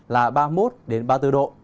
là ba mươi một đến ba mươi bốn độ